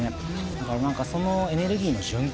だからそのエネルギーの循環。